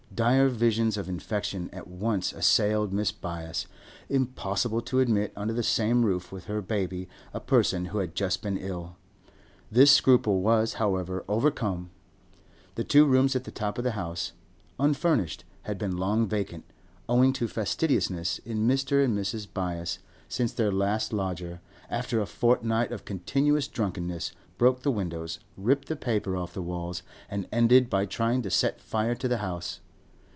Dire visions of infection at once assailed Mrs. Byass; impossible to admit under the same roof with her baby a person who had just been ill. This scruple was, however, overcome; the two rooms at the top of the house—unfurnished—had been long vacant, owing to fastidiousness in Mr. and Mrs. Byass, since their last lodger, after a fortnight of continuous drunkenness, broke the windows, ripped the paper off the walls, and ended by trying to set fire to the house.